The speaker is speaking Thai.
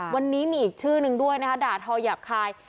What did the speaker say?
วันนี้มีอีกชื่อนึงด้วยนะคะด่าทอหยาบคาย